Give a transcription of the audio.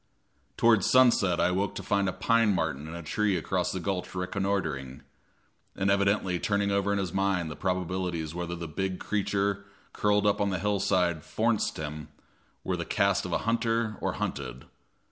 Toward sunset I awoke to find a pine martin in a tree across the gulch reconnoitering, and evidently turning over in his mind the probabilities whether the big creature curled up on the hillside "forninst" him were of the cast of hunter or hunted.